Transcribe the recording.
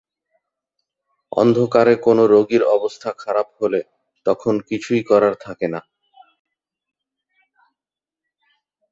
অন্ধকারে কোনো রোগীর অবস্থা খারাপ হলে তখন কিছুই করার থাকে না।